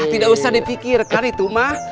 tidak usah dipikirkan itu mah